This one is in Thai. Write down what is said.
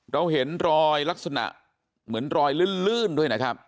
เราเห็นรอยลักษณะเหมือนรอยลื่นด้วยนะครับ